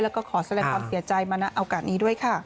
แล้วก็ขอแสดงความเสียใจมาณโอกาสนี้ด้วยค่ะ